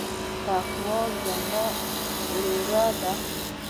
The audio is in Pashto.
تقوا زما وريره ده.